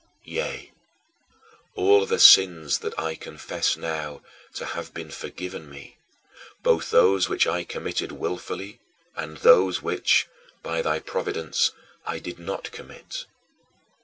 Yea, all the sins that I confess now to have been forgiven me, both those which I committed willfully and those which, by thy providence, I did not commit.